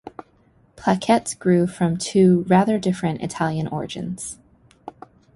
Plaquettes grew from two rather different Italian origins.